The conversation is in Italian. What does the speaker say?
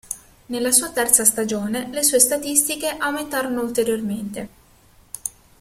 Nella sua terza stagione le sue statistiche aumentarono ulteriormente.